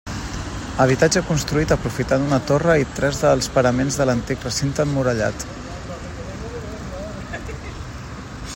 Habitatge construït aprofitant una torre i tres dels paraments de l'antic recinte emmurallat.